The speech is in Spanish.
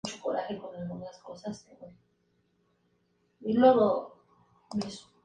La introspección de tipos puede ser utilizada para implementar polimorfismo.